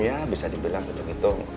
ya bisa dibilang begitu